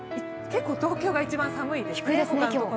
結構東京が一番寒いですね。